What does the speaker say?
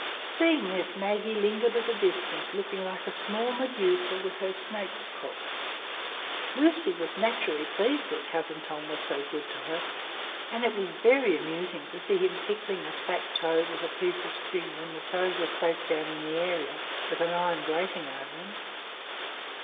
Seeing this, Maggie lingered at a distance, looking like a small Medusa with her snakes cropped. Lucy was naturally pleased that cousin Tom was so good to her, and it was very amusing to see him tickling a fat toad with a piece of string when the toad was safe down the area, with an iron grating over him.